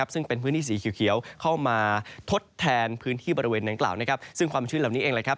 ซึ่งเป็นพื้นที่สีเขียวเข้ามาทดแทนพื้นที่บริเวณดังกล่าวซึ่งความชื้นเหล่านี้เองแหละครับ